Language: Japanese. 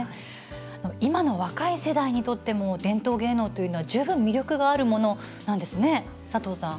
今の若い世代にとっても伝統芸能というのは十分、魅力があるものなんですね佐藤さん。